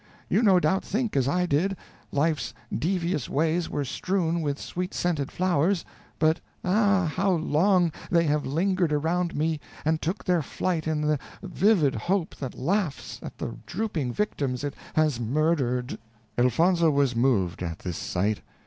You no doubt think as I did life's devious ways were strewn with sweet scented flowers, but ah! how long they have lingered around me and took their flight in the vivid hope that laughs at the drooping victims it has murdered." Elfonzo was moved at this sight.